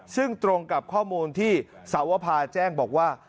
ซึ่งตรงกับข้อมูลที่สาวภาแจ้งบอกว่า